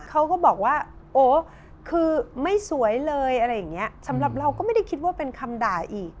เขาก็บอกว่าโอ้คือไม่สวยเลยอะไรอย่างเงี้ยสำหรับเราก็ไม่ได้คิดว่าเป็นคำด่าอีก